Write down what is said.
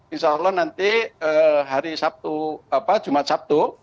insya allah nanti hari jumat sabtu